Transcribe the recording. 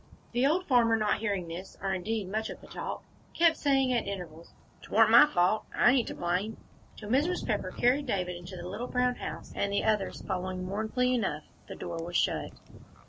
The old farmer, not hearing this, or indeed much of the talk, kept saying at intervals, "'Twarn't my fault. I ain't to blame," till Mrs. Pepper carried David into the little brown house, and the others, following mournfully enough, the door was shut.